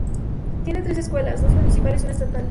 Tiene tres escuelas, dos municipales y una estatal.